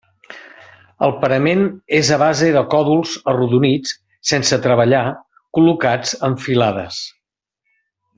El parament és a base de còdols arrodonits sense treballar col·locats en filades.